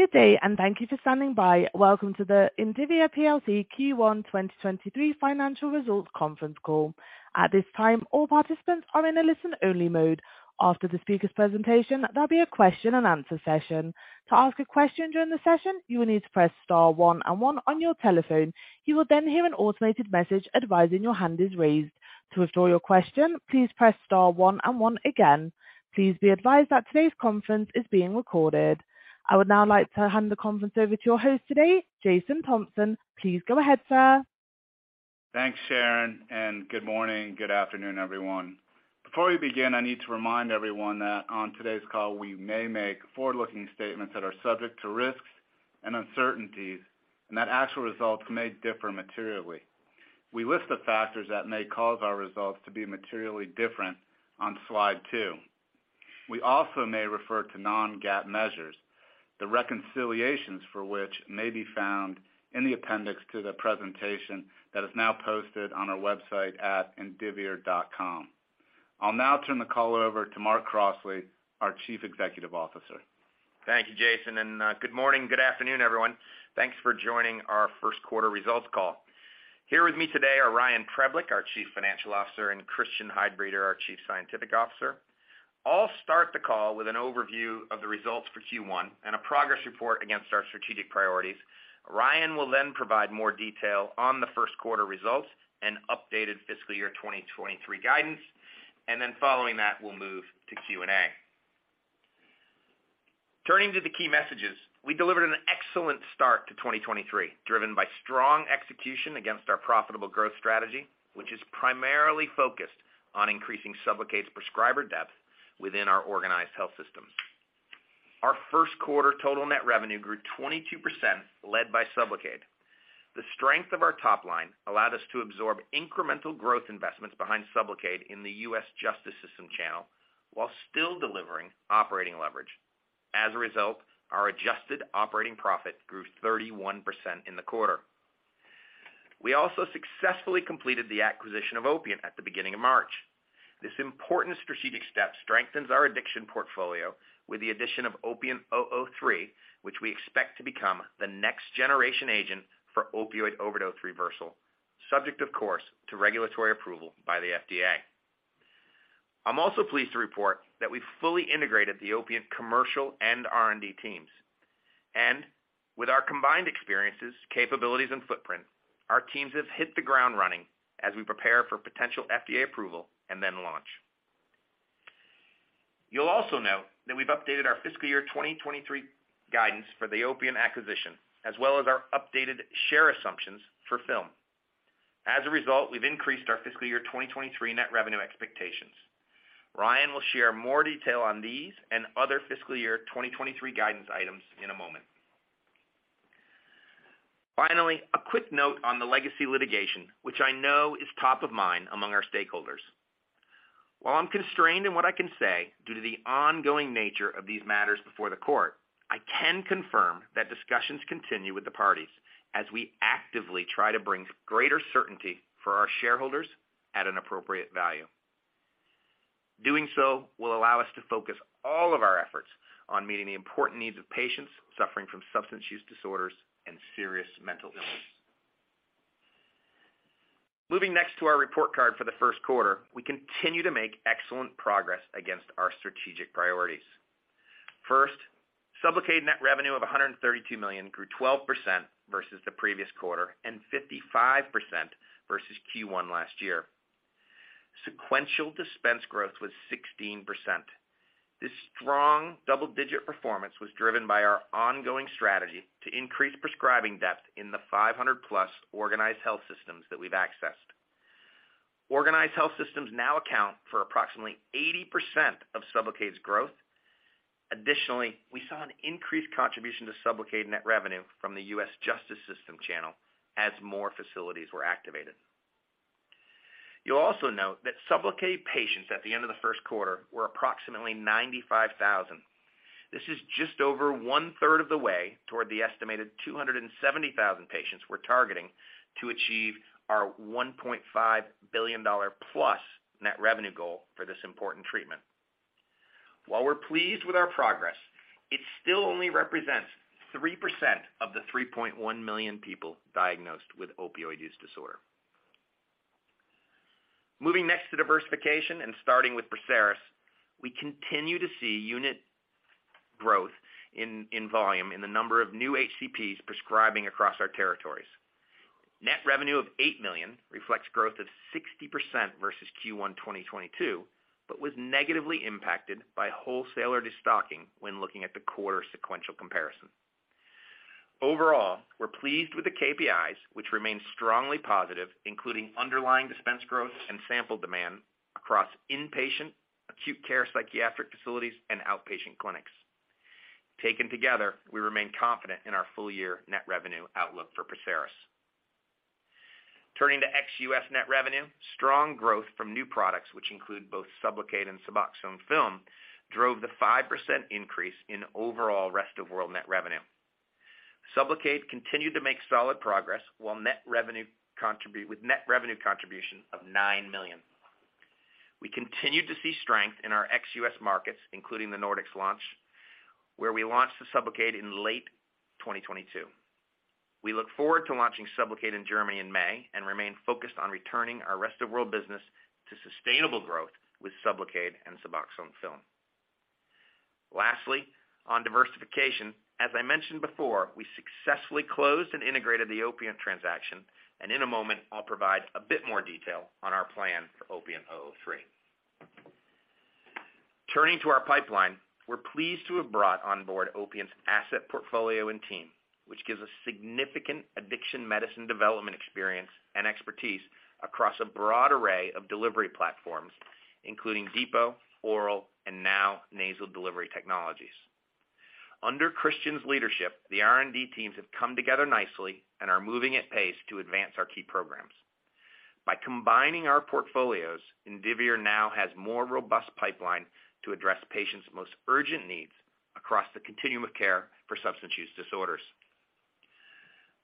Good day, and thank you for standing by. Welcome to the Indivior PLC Q1 2023 financial results conference call. At this time, all participants are in a listen-only mode. After the speaker's presentation, there'll be a question-and-answer session. To ask a question during the session, you will need to press star one and one on your telephone. You will then hear an automated message advising your hand is raised. To withdraw your question, please press star one and one again. Please be advised that today's conference is being recorded. I would now like to hand the conference over to your host today, Jason Thompson. Please go ahead, sir. Thanks, Sharon. Good morning, good afternoon, everyone. Before we begin, I need to remind everyone that on today's call, we may make forward-looking statements that are subject to risks and uncertainties. Actual results may differ materially. We list the factors that may cause our results to be materially different on slide 2. We also may refer to non-GAAP measures, the reconciliations for which may be found in the appendix to the presentation that is now posted on our website at indivior.com. I'll now turn the call over to Mark Crossley, our Chief Executive Officer. Thank you, Jason. Good morning, good afternoon, everyone. Thanks for joining our first quarter results call. Here with me today are Ryan Preblick, our Chief Financial Officer, and Christian Heidbreder, our Chief Scientific Officer. I'll start the call with an overview of the results for Q1 and a progress report against our strategic priorities. Ryan will then provide more detail on the first quarter results and updated fiscal year 2023 guidance, and then following that, we'll move to Q&A. Turning to the key messages, we delivered an excellent start to 2023, driven by strong execution against our profitable growth strategy, which is primarily focused on increasing SUBLOCADE's prescriber depth within our Organized Health Systems. Our first quarter total net revenue grew 22% led by SUBLOCADE. The strength of our top line allowed us to absorb incremental growth investments behind SUBLOCADE in the Criminal Justice System channel while still delivering operating leverage. Our adjusted operating profit grew 31% in the quarter. We also successfully completed the acquisition of Opiant at the beginning of March. This important strategic step strengthens our addiction portfolio with the addition of OPNT003, which we expect to become the next generation agent for opioid overdose reversal, subject, of course, to regulatory approval by the FDA. I'm also pleased to report that we've fully integrated the Opiant commercial and R&D teams. With our combined experiences, capabilities and footprint, our teams have hit the ground running as we prepare for potential FDA approval and then launch. You'll also note that we've updated our fiscal year 2023 guidance for the Opiant acquisition, as well as our updated share assumptions for film. As a result, we've increased our fiscal year 2023 net revenue expectations. Ryan will share more detail on these and other fiscal year 2023 guidance items in a moment. A quick note on the legacy litigation, which I know is top of mind among our stakeholders. While I'm constrained in what I can say due to the ongoing nature of these matters before the court, I can confirm that discussions continue with the parties as we actively try to bring greater certainty for our shareholders at an appropriate value. Doing so will allow us to focus all of our efforts on meeting the important needs of patients suffering from substance use disorders and serious mental illness. Moving next to our report card for the first quarter, we continue to make excellent progress against our strategic priorities. First, SUBLOCADE net revenue of $132 million grew 12% versus the previous quarter and 55% versus Q1 last year. Sequential dispense growth was 16%. This strong double-digit performance was driven by our ongoing strategy to increase prescribing depth in the 500+ Organized Health Systems that we've accessed. Organized Health Systems now account for approximately 80% of SUBLOCADE's growth. Additionally, we saw an increased contribution to SUBLOCADE net revenue from the Criminal Justice System channel as more facilities were activated. You'll also note that SUBLOCADE patients at the end of the first quarter were approximately 95,000. This is just over one-third of the way toward the estimated 270,000 patients we're targeting to achieve our $1.5 billion-plus net revenue goal for this important treatment. While we're pleased with our progress, it still only represents 3% of the 3.1 million people diagnosed with opioid use disorder. Moving next to diversification and starting with PERSERIS, we continue to see unit growth in volume in the number of new HCPs prescribing across our territories. Net revenue of $8 million reflects growth of 60% versus Q1 2022, but was negatively impacted by wholesaler destocking when looking at the quarter sequential comparison. Overall, we're pleased with the KPIs, which remain strongly positive, including underlying dispense growth and sample demand across inpatient, acute care psychiatric facilities and outpatient clinics. Taken together, we remain confident in our full year net revenue outlook for PERSERIS. Turning to ex-US net revenue, strong growth from new products, which include both SUBLOCADE and SUBOXONE Film, drove the 5% increase in overall rest-of-world net revenue. SUBLOCADE continued to make solid progress with net revenue contribution of $9 million. We continued to see strength in our ex-US markets, including the Nordics launch, where we launched SUBLOCADE in late 2022. We look forward to launching SUBLOCADE in Germany in May and remain focused on returning our rest-of-world business to sustainable growth with SUBLOCADE and SUBOXONE Film. Lastly, on diversification, as I mentioned before, we successfully closed and integrated the Opiant transaction. In a moment, I'll provide a bit more detail on our plan for Opiant OPNT003. Turning to our pipeline, we're pleased to have brought on board Opiant's asset portfolio and team, which gives us significant addiction medicine development experience and expertise across a broad array of delivery platforms, including depot, oral, and now nasal delivery technologies. Under Christian's leadership, the R&D teams have come together nicely and are moving at pace to advance our key programs. By combining our portfolios, Indivior now has more robust pipeline to address patients' most urgent needs across the continuum of care for substance use disorders.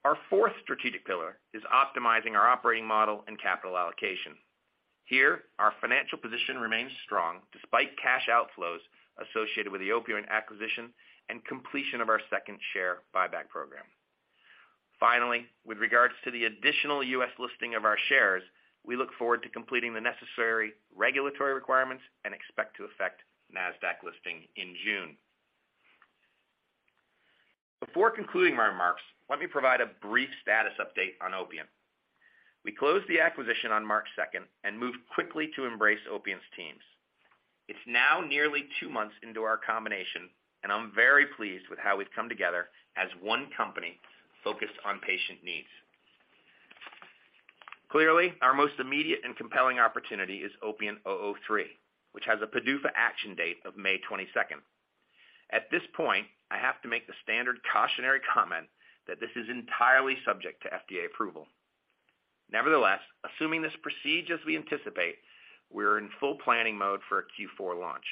Our fourth strategic pillar is optimizing our operating model and capital allocation. Here, our financial position remains strong despite cash outflows associated with the Opiant acquisition and completion of our second share buyback program. Finally, with regards to the additional U.S. listing of our shares, we look forward to completing the necessary regulatory requirements and expect to affect Nasdaq listing in June. Before concluding my remarks, let me provide a brief status update on Opiant. We closed the acquisition on March second and moved quickly to embrace Opiant's teams. It's now nearly two months into our combination, and I'm very pleased with how we've come together as one company focused on patient needs. Clearly, our most immediate and compelling opportunity is OPNT003, which has a PDUFA action date of May 22nd. At this point, I have to make the standard cautionary comment that this is entirely subject to FDA approval. Nevertheless, assuming this proceeds as we anticipate, we're in full planning mode for a Q4 launch.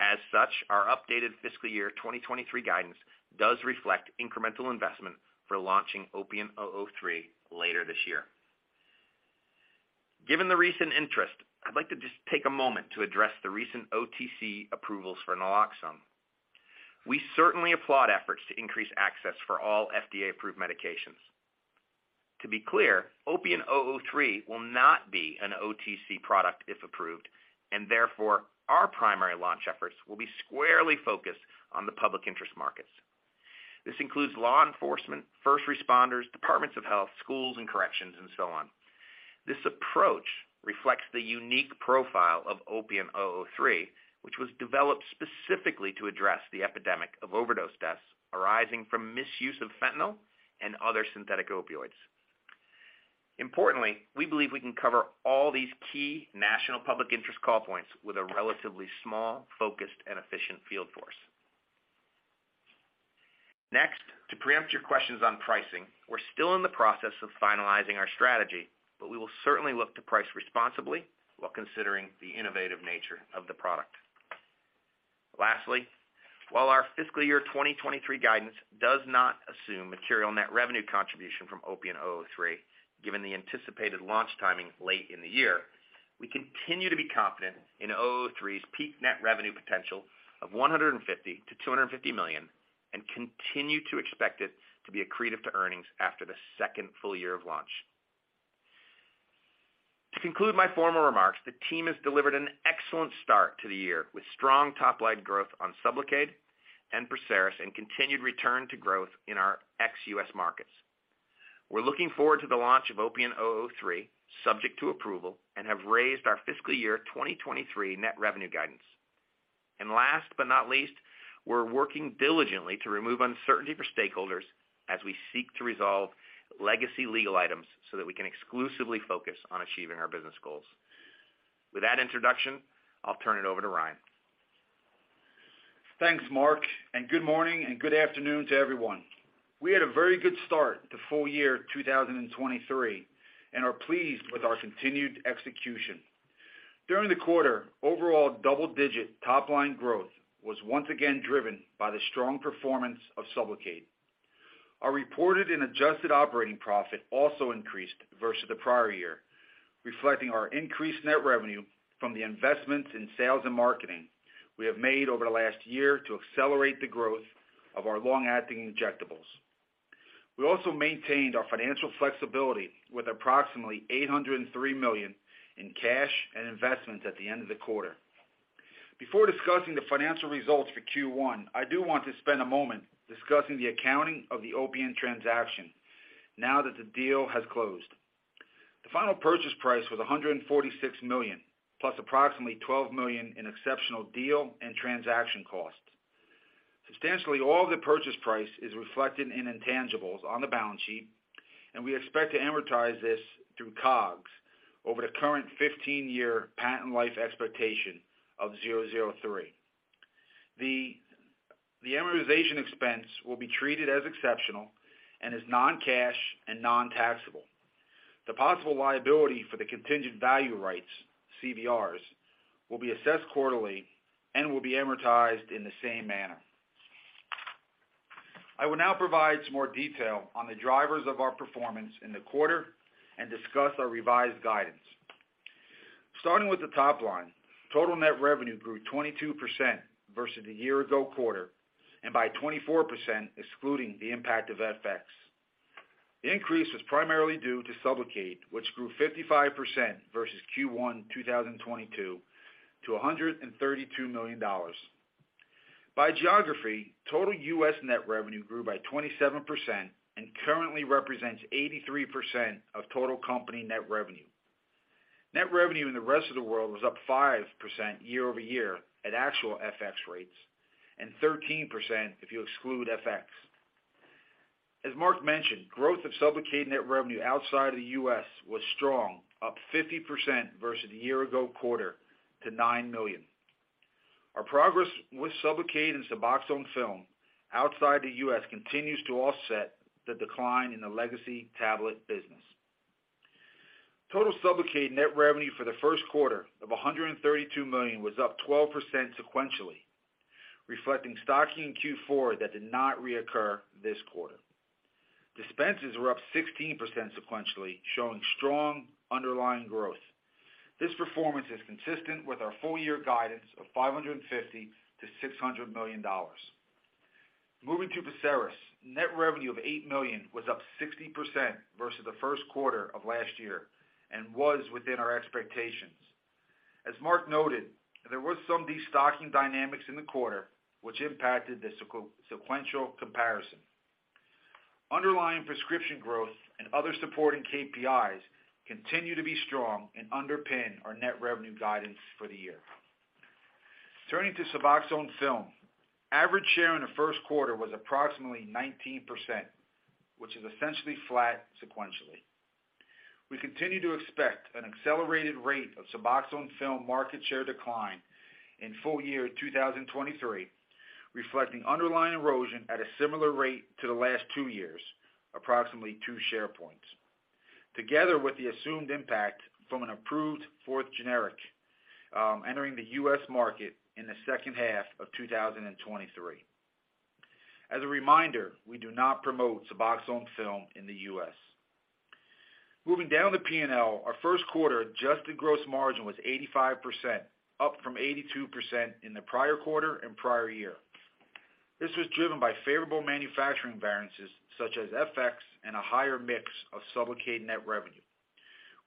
As such, our updated fiscal year 2023 guidance does reflect incremental investment for launching OPNT003 later this year. Given the recent interest, I'd like to just take a moment to address the recent OTC approvals for naloxone. We certainly applaud efforts to increase access for all FDA-approved medications. To be clear, OPNT003 will not be an OTC product if approved, and therefore, our primary launch efforts will be squarely focused on the public interest markets. This includes law enforcement, first responders, departments of health, schools, and corrections, and so on. This approach reflects the unique profile of OPNT003, which was developed specifically to address the epidemic of overdose deaths arising from misuse of fentanyl and other synthetic opioids. Importantly, we believe we can cover all these key national public interest call points with a relatively small, focused, and efficient field force. Next, to preempt your questions on pricing, we're still in the process of finalising our strategy, but we will certainly look to price responsibly while considering the innovative nature of the product. Lastly, while our fiscal year 2023 guidance does not assume material net revenue contribution from OPNT003, given the anticipated launch timing late in the year, we continue to be confident in OO3's peak net revenue potential of $150 million to $250 million and continue to expect it to be accretive to earnings after the 2nd full year of launch. To conclude my formal remarks, the team has delivered an excellent start to the year with strong top-line growth on SUBLOCADE and PERSERIS and continued return to growth in our ex-US markets. We're looking forward to the launch of OPNT003, subject to approval, and have raised our fiscal year 2023 net revenue guidance. Last but not least, we're working diligently to remove uncertainty for stakeholders as we seek to resolve legacy legal items so that we can exclusively focus on achieving our business goals. With that introduction, I'll turn it over to Ryan. Thanks, Mark, and good morning and good afternoon to everyone. We had a very good start to full year 2023 and are pleased with our continued execution. During the quarter, overall double-digit top-line growth was once again driven by the strong performance of SUBLOCADE. Our reported and adjusted operating profit also increased versus the prior year, reflecting our increased net revenue from the investments in sales and marketing we have made over the last year to accelerate the growth of our long-acting injectables. We also maintained our financial flexibility with approximately $803 million in cash and investments at the end of the quarter. Before discussing the financial results for Q1, I do want to spend a moment discussing the accounting of the Opiant transaction now that the deal has closed. The final purchase price was $146 million plus approximately $12 million in exceptional deal and transaction costs. Substantially, all the purchase price is reflected in intangibles on the balance sheet, and we expect to amortize this through COGS over the current 15-year patent life expectation of 003. The amortization expense will be treated as exceptional and is non-cash and non-taxable. The possible liability for the contingent value rights, CVRs, will be assessed quarterly and will be amortized in the same manner. I will now provide some more detail on the drivers of our performance in the quarter and discuss our revised guidance. Starting with the top line, total net revenue grew 22% versus the year-ago quarter, and by 24% excluding the impact of FX. The increase was primarily due to SUBLOCADE, which grew 55% versus Q1 2022, to $132 million. By geography, total U.S. net revenue grew by 27% and currently represents 83% of total company net revenue. Net revenue in the rest of the world was up 5% year-over-year at actual FX rates, and 13% if you exclude FX. As Mark mentioned, growth of SUBLOCADE net revenue outside the U.S. was strong, up 50% versus the year ago quarter to $9 million. Our progress with SUBLOCADE and SUBOXONE Film outside the U.S. continues to offset the decline in the legacy tablet business. Total SUBLOCADE net revenue for the first quarter of $132 million was up 12% sequentially, reflecting stocking in Q4 that did not reoccur this quarter. Dispenses were up 16% sequentially, showing strong underlying growth. This performance is consistent with our full year guidance of $550 million to $600 million. Moving to PERSERIS, net revenue of $8 million was up 60% versus the first quarter of last year and was within our expectations. As Mark Crossley noted, there was some de-stocking dynamics in the quarter, which impacted the sequential comparison. Underlying prescription growth and other supporting KPIs continue to be strong and underpin our net revenue guidance for the year. Turning to SUBOXONE Film, average share in the first quarter was approximately 19%, which is essentially flat sequentially. We continue to expect an accelerated rate of SUBOXONE Film market share decline in full year 2023, reflecting underlying erosion at a similar rate to the last two years, approximately 2 share points. Together with the assumed impact from an approved fourth generic, entering the US market in the second half of 2023. As a reminder, we do not promote SUBOXONE Film in the US. Moving down the P&L, our first quarter adjusted gross margin was 85%, up from 82% in the prior quarter and prior year. This was driven by favorable manufacturing variances such as FX and a higher mix of SUBLOCADE net revenue.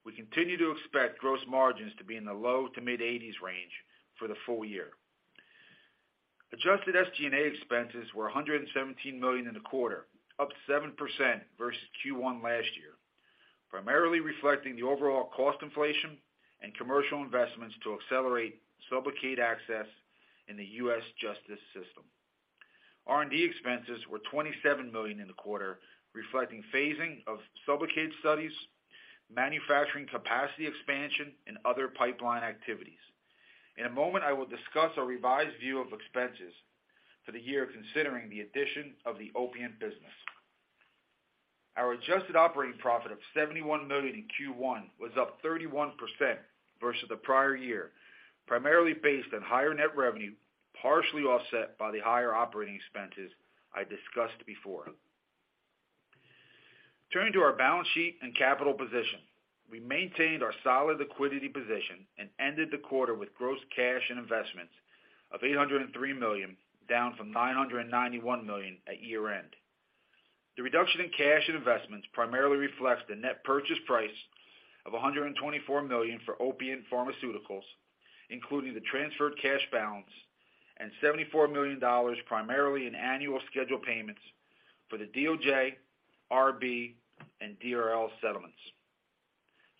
We continue to expect gross margins to be in the low to mid-80s range for the full year. Adjusted SG&A expenses were $117 million in the quarter, up 7% versus Q1 last year, primarily reflecting the overall cost inflation and commercial investments to accelerate SUBLOCADE access in the US justice system. R&D expenses were $27 million in the quarter, reflecting phasing of SUBLOCADE studies, manufacturing capacity expansion and other pipeline activities. In a moment, I will discuss our revised view of expenses for the year considering the addition of the Opiant business. Our adjusted operating profit of $71 million in Q1 was up 31% versus the prior year, primarily based on higher net revenue, partially offset by the higher operating expenses I discussed before. Turning to our balance sheet and capital position, we maintained our solid liquidity position and ended the quarter with gross cash and investments of $803 million, down from $991 million at year-end. The reduction in cash and investments primarily reflects the net purchase price of $124 million for Opiant Pharmaceuticals, including the transferred cash balance and $74 million primarily in annual scheduled payments for the DOJ, RB, and DRL settlements.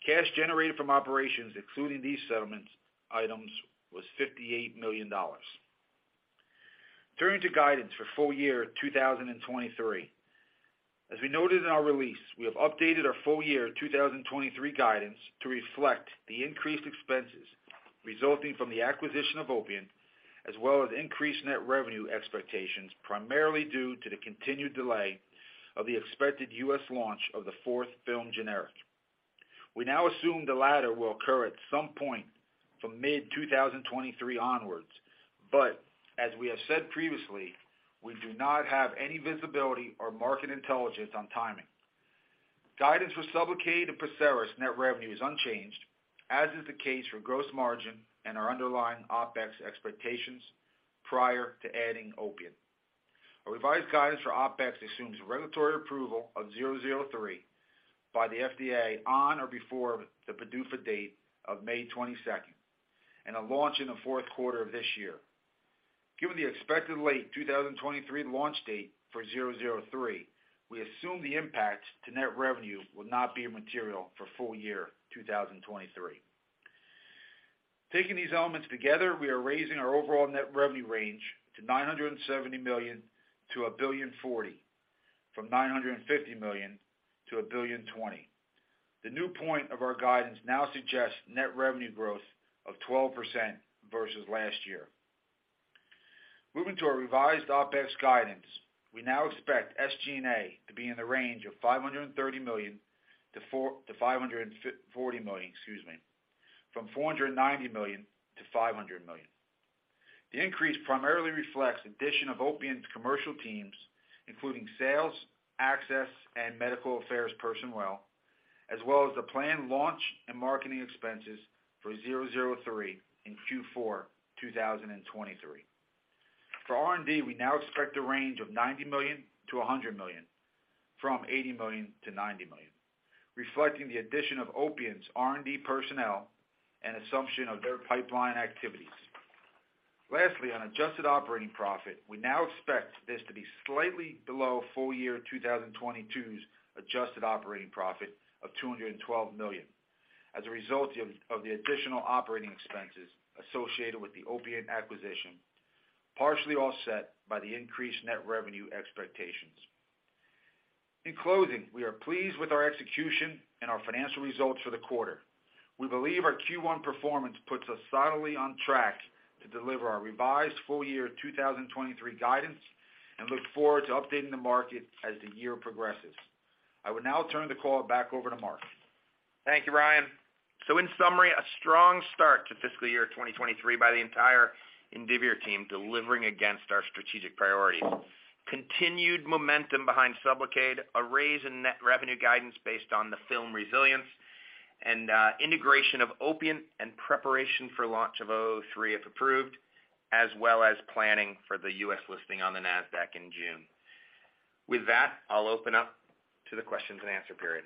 Cash generated from operations, excluding these settlements items was $58 million. Turning to guidance for full year 2023. As we noted in our release, we have updated our full year 2023 guidance to reflect the increased expenses resulting from the acquisition of Opiant, as well as increased net revenue expectations, primarily due to the continued delay of the expected U.S. launch of the fourth film generic. We now assume the latter will occur at some point from mid-2023 onwards. As we have said previously, we do not have any visibility or market intelligence on timing. Guidance for SUBLOCADE and PERSERIS net revenue is unchanged, as is the case for gross margin and our underlying OpEx expectations prior to adding Opiant. A revised guidance for OpEx assumes regulatory approval of OPNT003 by the FDA on or before the PDUFA date of May 22nd, and a launch in the 4th quarter of this year. Given the expected late 2023 launch date for OPNT003, we assume the impact to net revenue will not be material for full year 2023. Taking these elements together, we are raising our overall net revenue range to $970 million to $1.04 billion from $950 million to $1.02 billion. The new point of our guidance now suggests net revenue growth of 12% versus last year. Moving to our revised OpEx guidance, we now expect SG&A to be in the range of $530 million to $540 million, excuse me. From $490 million to $500 million. The increase primarily reflects addition of Opiant's commercial teams, including sales, access, and medical affairs personnel, as well as the planned launch and marketing expenses for OPNT003 in Q4 2023. For R&D, we now expect a range of $90 million to $100 million, from $80 million to $90 million, reflecting the addition of Opiant's R&D personnel and assumption of their pipeline activities. Lastly, on adjusted operating profit, we now expect this to be slightly below full year 2022's adjusted operating profit of $212 million as a result of the additional operating expenses associated with the Opiant acquisition, partially offset by the increased net revenue expectations. In closing, we are pleased with our execution and our financial results for the quarter. We believe our Q1 performance puts us solidly on track to deliver our revised full year 2023 guidance and look forward to updating the market as the year progresses. I would now turn the call back over to Mark. Thank you, Ryan. In summary, a strong start to fiscal year 2023 by the entire Indivior team, delivering against our strategic priorities. Continued momentum behind SUBLOCADE, a raise in net revenue guidance based on the film resilience and integration of Opiant and preparation for launch of OPNT003, if approved, as well as planning for the U.S. listing on the Nasdaq in June. With that, I'll open up to the questions and answer period.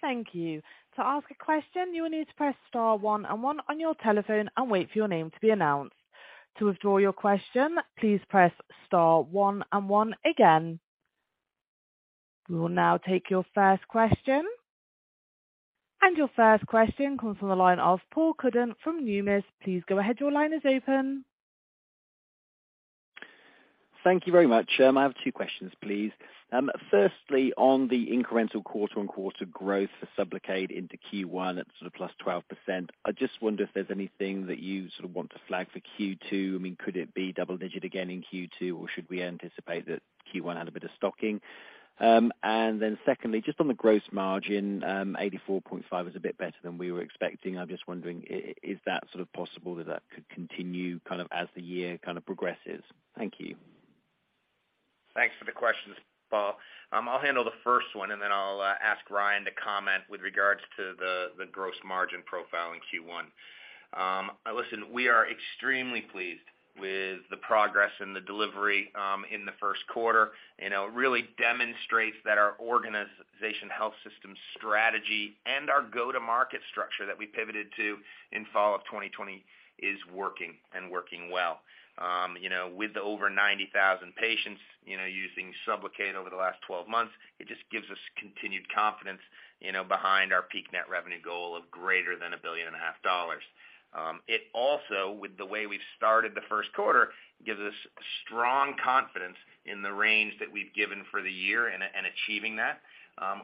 Thank you. To ask a question, you will need to press star one and one on your telephone and wait for your name to be announced. To withdraw your question, please press star one and one again. We will now take your first question. Your first question comes from the line of Paul Cuddon from Numis. Please go ahead. Your line is open. Thank you very much. I have two questions, please. Firstly, on the incremental QoQ growth for SUBLOCADE into Q1 at sort of +12%. I just wonder if there's anything that you sort of want to flag for Q2. I mean, could it be double-digit again in Q2, or should we anticipate that Q1 had a bit of stocking? Secondly, just on the gross margin, 84.5 is a bit better than we were expecting. I'm just wondering is that sort of possible that that could continue kind of as the year kind of progresses? Thank you. Thanks for the questions, Paul. I'll handle the first one, and then I'll ask Ryan to comment with regards to the gross margin profile in Q1. Listen, we are extremely pleased with the progress and the delivery in the first quarter. You know, it really demonstrates that our Organised Health Systems strategy and our go-to-market structure that we pivoted to in fall of 2020 is working and working well. You know, with over 90,000 patients, you know, using SUBLOCADE over the last 12 months, it just gives us continued confidence, you know, behind our peak net revenue goal of greater than $1.5 billion. It also, with the way we've started the first quarter, gives us strong confidence in the range that we've given for the year and achieving that.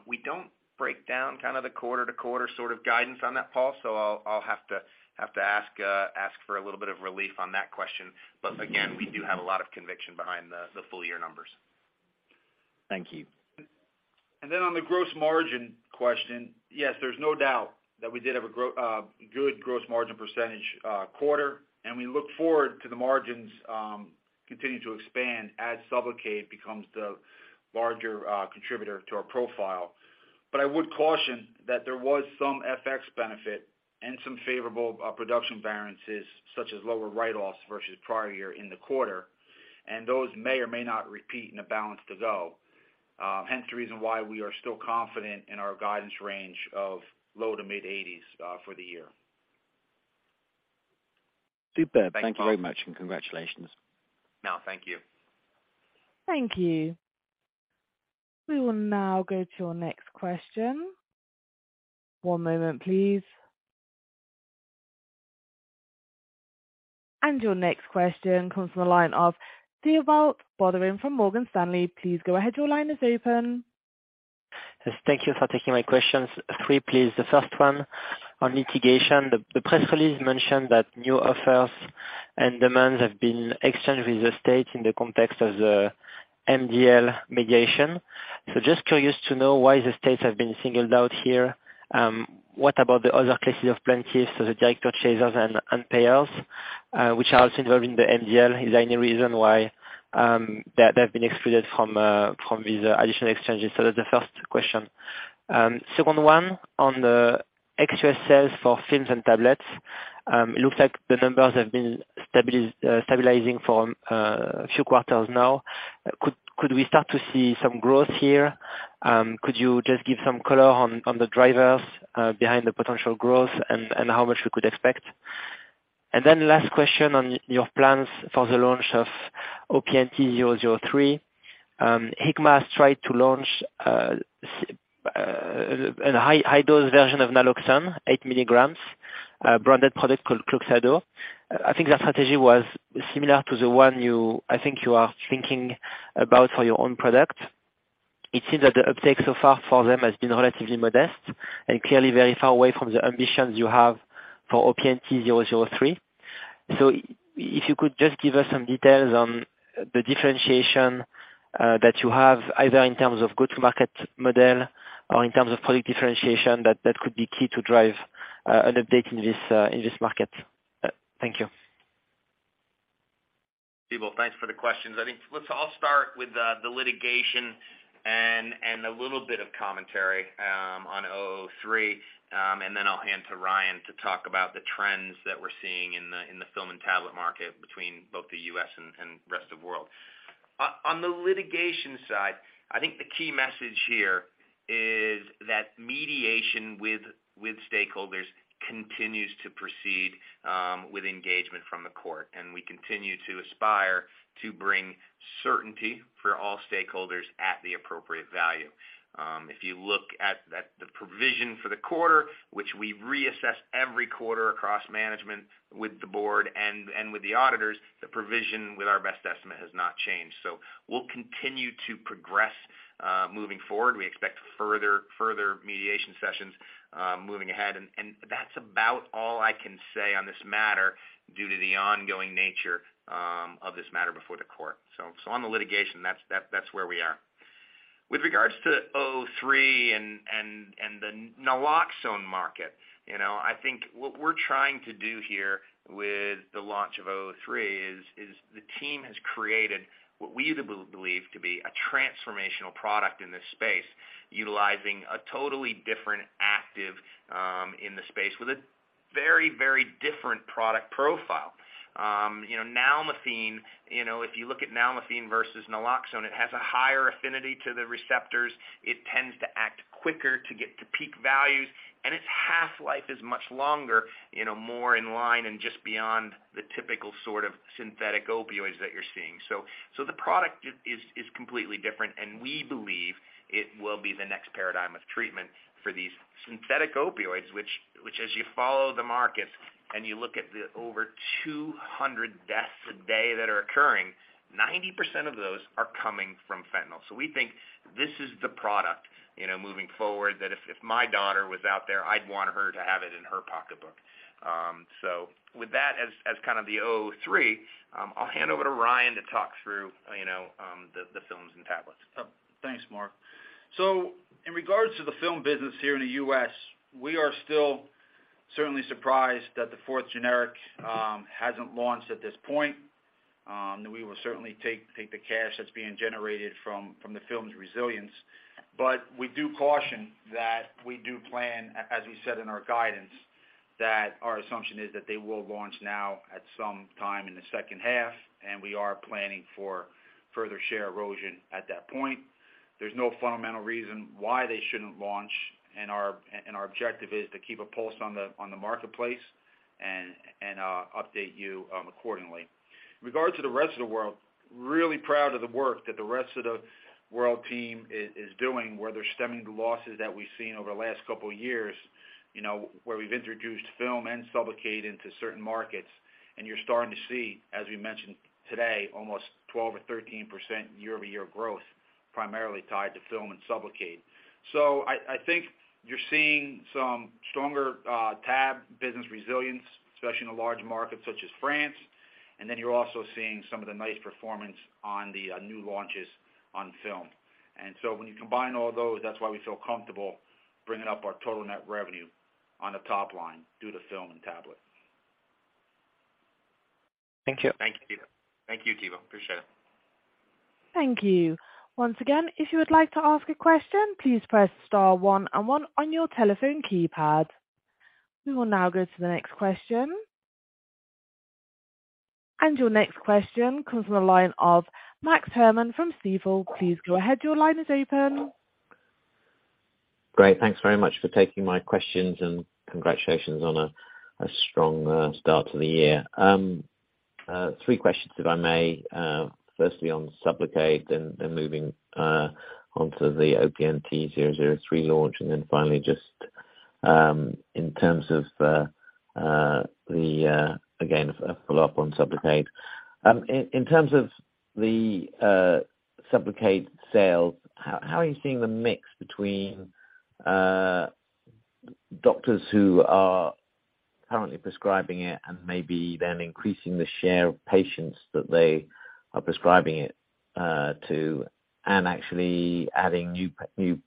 We don't break down kind of the quarter to quarter sort of guidance on that, Paul, so I'll have to ask for a little bit of relief on that question. Again, we do have a lot of conviction behind the full year numbers. Thank you. On the gross margin question, yes, there's no doubt that we did have a good gross margin percentage, quarter, and we look forward to the margins continuing to expand as SUBLOCADE becomes the larger contributor to our profile. I would caution that there was some FX benefit and some favorable production variances, such as lower write-offs versus prior year in the quarter. Those may or may not repeat in the balance to go. Hence the reason why we are still confident in our guidance range of low to mid-80s% for the year. Superb. Thanks, Paul. Thank you very much, and congratulations. No, thank you. Thank you. We will now go to your next question. One moment, please. Your next question comes from the line of Thibault Boutherin from Morgan Stanley. Please go ahead. Your line is open. Thank you for taking my questions. 3, please. First one on litigation. The press release mentioned that new offers and demands have been exchanged with the state in the context of the MDL mediation. Just curious to know why the states have been singled out here. What about the other cases of plaintiffs, the direct purchasers and payers, which are also involved in the MDL? Is there any reason why they've been excluded from these additional exchanges? That's the first question. Second one on the extra sales for films and tablets. It looks like the numbers have been stabilising for a few quarters now. Could we start to see some growth here? Could you just give some color on the drivers behind the potential growth and how much we could expect? Last question on your plans for the launch of OPNT003. Hikma has tried to launch a high dose version of naloxone, 8 milligrams, a branded product called Cloxado. I think their strategy was similar to the one you, I think you are thinking about for your own product. It seems that the uptake so far for them has been relatively modest and clearly very far away from the ambitions you have for OPNT003. If you could just give us some details on the differentiation that you have either in terms of go-to-market model or in terms of product differentiation, that could be key to drive an update in this in this market. Thank you. Thibault, thanks for the questions. I think let's all start with the litigation and a little bit of commentary on OPNT003, and then I'll hand to Ryan to talk about the trends that we're seeing in the film and tablet market between both the U.S. and rest of world. On the litigation side, I think the key message here is that mediation with stakeholders continues to proceed with engagement from the court, and we continue to aspire to bring certainty for all stakeholders at the appropriate value. If you look at the provision for the quarter, which we reassess every quarter across management with the board and with the auditors, the provision with our best estimate has not changed. We'll continue to progress moving forward. We expect further mediation sessions moving ahead. That's about all I can say on this matter due to the ongoing nature of this matter before the court. On the litigation, that's where we are. With regards to OPNT003 and the naloxone market. You know, I think what we're trying to do here with the launch of OPNT003 is the team has created what we believe to be a transformational product in this space utilizing a totally different active in the space with a very different product profile. You know, nalmefene, you know, if you look at nalmefene versus naloxone, it has a higher affinity to the receptors. It tends to act quicker to get to peak values, and its half-life is much longer, you know, more in line and just beyond the typical sort of synthetic opioids that you're seeing. The product is completely different, and we believe it will be the next paradigm of treatment for these synthetic opioids, which as you follow the markets and you look at the over 200 deaths a day that are occurring, 90% of those are coming from fentanyl. We think this is the product, you know, moving forward, that if my daughter was out there, I'd want her to have it in her pocketbook. With that as kind of the OPNT003, I'll hand over to Ryan to talk through, you know, the films and tablets. Thanks, Mark. In regards to the film business here in the U.S., we are still certainly surprised that the 4th generic hasn't launched at this point. We will certainly take the cash that's being generated from the film's resilience. We do caution that we do plan, as we said in our guidance, that our assumption is that they will launch now at some time in the second half. We are planning for further share erosion at that point. There's no fundamental reason why they shouldn't launch, and our objective is to keep a pulse on the marketplace and update you accordingly. In regard to the rest of the world, really proud of the work that the rest of the world team is doing, where they're stemming the losses that we've seen over the last couple of years, you know, where we've introduced film and SUBLOCADE into certain markets. You're starting to see, as we mentioned today, almost 12% or 13% year-over-year growth, primarily tied to film and SUBLOCADE. I think you're seeing some stronger tab business resilience, especially in a large market such as France. You're also seeing some of the nice performance on the new launches on film. When you combine all those, that's why we feel comfortable bringing up our total net revenue on the top line due to film and tablet. Thank you. Thank you, Thibault. Appreciate it. Thank you. Once again, if you would like to ask a question, please press star 1. 1 on your telephone keypad. We will now go to the next question. Your next question comes from the line of Max Herrmann from Stifel. Please go ahead. Your line is open. Great. Thanks very much for taking my questions and congratulations on a strong start to the year. Three questions, if I may. Firstly on SUBLOCADE and moving onto the OPNT003 launch. Then finally, just in terms of the again, a follow-up on SUBLOCADE. In terms of the SUBLOCADE sales, how are you seeing the mix between doctors who are currently prescribing it and maybe then increasing the share of patients that they are prescribing it to and actually adding new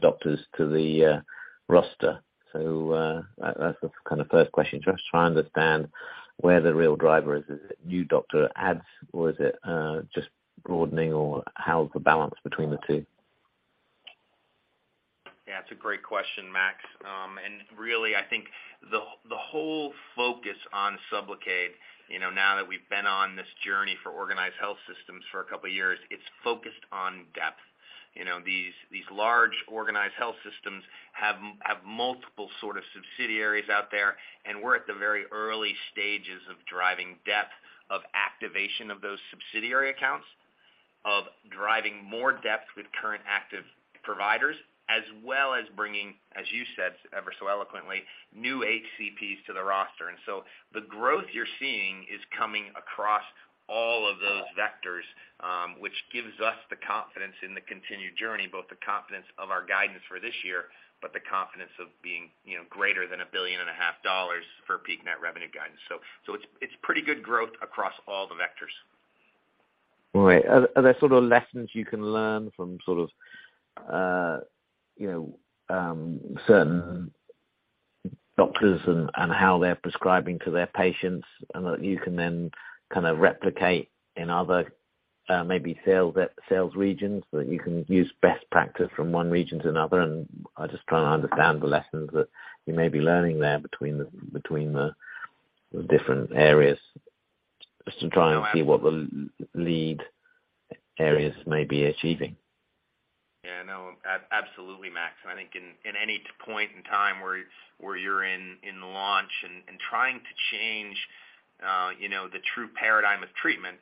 doctors to the roster? That's the kind of first question, just try to understand where the real driver is. Is it new doctor adds, or is it just broadening, or how's the balance between the two? Yeah, it's a great question, Max. Really, I think the whole focus on SUBLOCADE, you know, now that we've been on this journey for Organised Health Systems for a couple of years, it's focused on depth. You know, these large Organised Health Systems have multiple sort of subsidiaries out there, and we're at the very early stages of driving depth of activation of those subsidiary accounts, of driving more depth with current active providers, as well as bringing, as you said, ever so eloquently, new HCPs to the roster. The growth you're seeing is coming across all of those vectors, which gives us the confidence in the continued journey, both the confidence of our guidance for this year, but the confidence of being, you know, greater than a billion and a half dollars for peak net revenue guidance. It's pretty good growth across all the vectors. Right. Are there sort of lessons you can learn from sort of, you know, certain doctors and how they're prescribing to their patients and that you can then kinda replicate in other, maybe sales regions, that you can use best practice from one region to another? I'm just trying to understand the lessons that you may be learning there between the different areas just to try and see what the lead areas may be achieving. Yeah, I know. Absolutely, Max. I think in any point in time where you're in the launch and trying to change, you know, the true paradigm of treatment,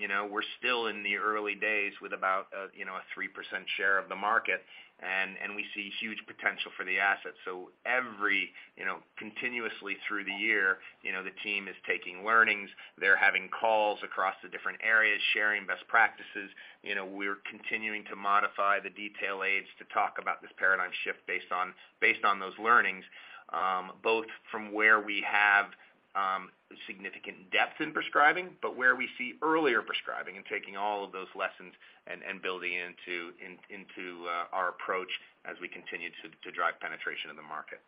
you know, we're still in the early days with about a, you know, a 3% share of the market and we see huge potential for the asset. Every, you know, continuously through the year, you know, the team is taking learnings. They're having calls across the different areas, sharing best practices. You know, we're continuing to modify the detail aids to talk about this paradigm shift based on those learnings, both from where we have, significant depth in prescribing, but where we see earlier prescribing and taking all of those lessons and building into our approach as we continue to drive penetration in the market.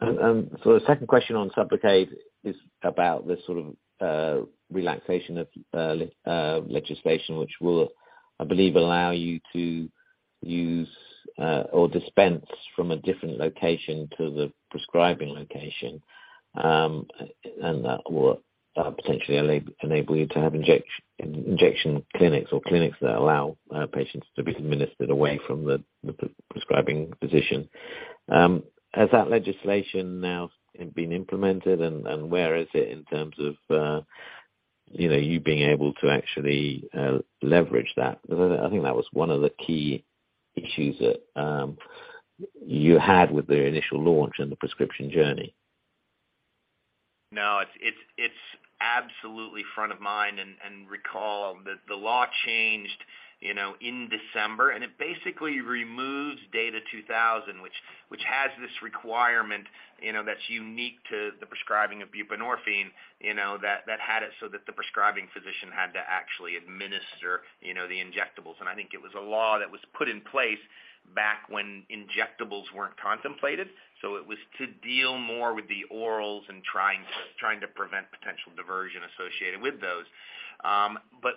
The second question on SUBLOCADE is about the sort of relaxation of legislation, which will, I believe, allow you to use or dispense from a different location to the prescribing location. That will potentially enable you to have injection clinics or clinics that allow patients to be administered away from the prescribing physician. Has that legislation now been implemented, and where is it in terms of, you know, you being able to actually leverage that? Because I think that was one of the key issues that you had with the initial launch and the prescription journey. No. It's absolutely front of mind. Recall the law changed, you know, in December, and it basically removes DATA 2000, which has this requirement, you know, that's unique to the prescribing of buprenorphine, you know, that had it so that the prescribing physician had to actually administer, you know, the injectables. So it was to deal more with the orals and trying to prevent potential diversion associated with those.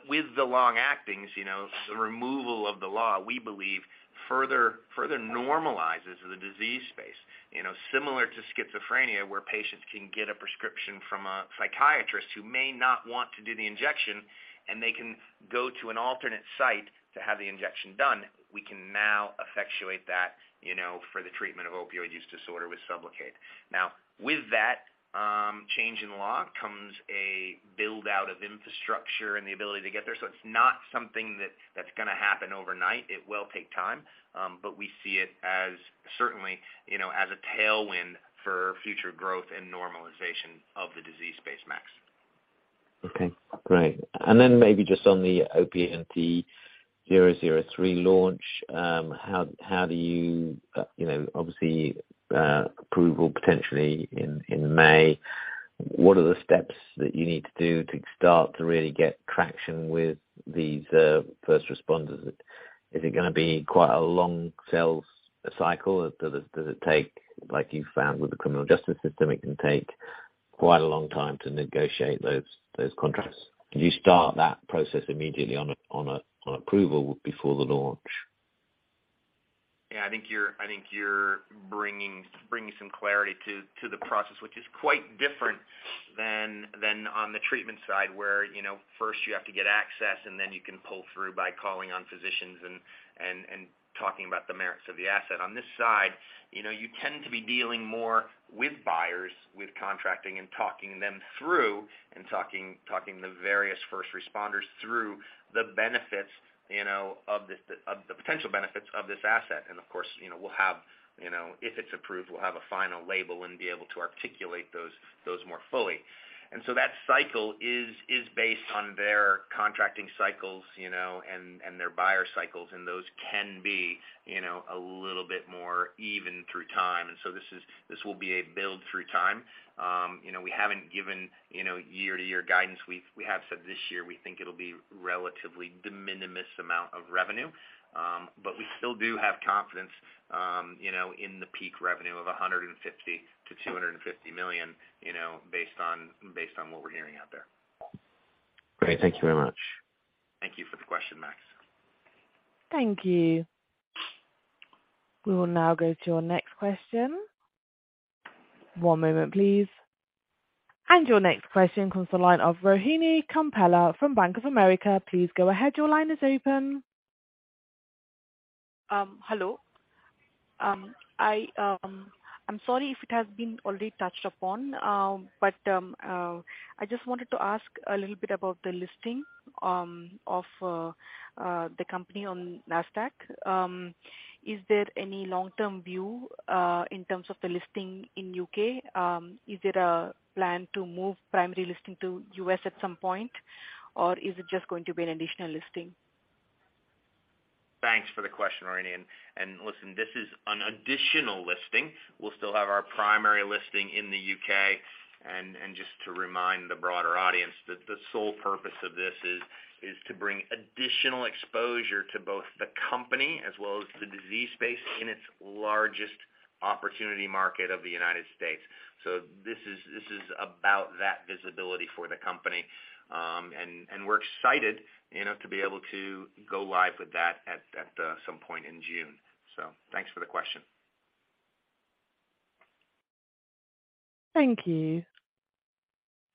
With the long-actings, you know, the removal of the law, we believe further normalizes the disease space. You know, similar to schizophrenia, where patients can get a prescription from a psychiatrist who may not want to do the injection, and they can go to an alternate site to have the injection done. We can now effectuate that, you know, for the treatment of opioid use disorder with SUBLOCADE. With that change in law comes a build-out of infrastructure and the ability to get there. It's not something that's gonna happen overnight. It will take time. We see it as certainly, you know, as a tailwind for future growth and normalization of the disease base, Max. Okay. Great. Maybe just on the OPNT003 launch, you know, obviously, approval potentially in May. What are the steps that you need to do to start to really get traction with these first responders? Is it gonna be quite a long sales cycle? Does it take, like you found with the Criminal Justice System, it can take quite a long time to negotiate those contracts. Do you start that process immediately on approval before the launch? Yeah. I think you're bringing some clarity to the process, which is quite different than on the treatment side, where, you know, first you have to get access, and then you can pull through by calling on physicians and talking about the merits of the asset. On this side, you know, you tend to be dealing more with buyers, with contracting and talking them through and talking the various first responders through the benefits, you know, of this, the potential benefits of this asset. Of course, you know, we'll have. You know, if it's approved, we'll have a final label and be able to articulate those more fully. That cycle is based on their contracting cycles, you know, and their buyer cycles, and those can be, you know, a little bit more even through time. This will be a build through time. You know, we haven't given, you know, year-to-year guidance. We have said this year we think it'll be relatively de minimis amount of revenue. We still do have confidence, you know, in the peak revenue of $150 million to $250 million, you know, based on what we're hearing out there. Great. Thank you very much. Thank you for the question, Max. Thank you. We will now go to our next question. One moment please. Your next question comes from the line of Rohini Kompella from Bank of America. Please go ahead. Your line is open. Hello. I'm sorry if it has been already touched upon, but I just wanted to ask a little bit about the listing of the company on Nasdaq. Is there any long-term view in terms of the listing in UK? Is there a plan to move primary listing to US at some point, or is it just going to be an additional listing? Thanks for the question, Rohini. Listen, this is an additional listing. We'll still have our primary listing in the U.K. Just to remind the broader audience that the sole purpose of this is to bring additional exposure to both the company as well as the disease space in its largest opportunity market of the United States. This is about that visibility for the company. We're excited, you know, to be able to go live with that at some point in June. Thanks for the question. Thank you.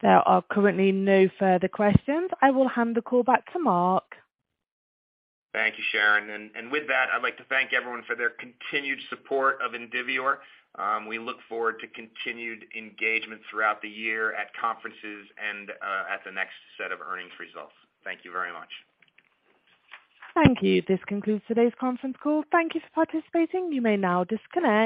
There are currently no further questions. I will hand the call back to Mark. Thank you, Sharon. With that, I'd like to thank everyone for their continued support of Indivior. We look forward to continued engagement throughout the year at conferences and at the next set of earnings results. Thank you very much. Thank you. This concludes today's conference call. Thank you for participating. You may now disconnect.